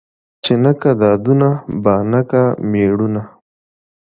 ـ چې نه کا دادونه بانه کا مېړونه.